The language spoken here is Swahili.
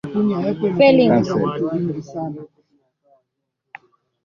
na AustriaHungaria Vita havikuenda vizuri wananchi wakaona njaa na mapinduzi ya mwezi wa